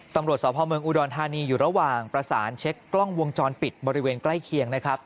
ตำรวจสพเมืองอุดรธานีอยู่ระหว่างประสานเช็คกล้องวงจรปิดบริเวณใกล้เคียงนะครับ